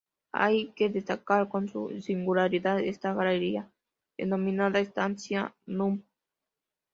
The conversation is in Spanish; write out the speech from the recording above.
Hay que destacar por su singularidad esta galería, denominada estancia núm.